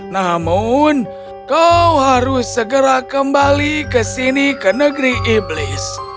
namun kau harus segera kembali ke sini ke negeri iblis